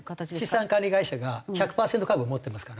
資産管理会社が１００パーセント株を持ってますから。